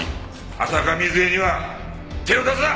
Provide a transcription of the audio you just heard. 浅香水絵には手を出すな！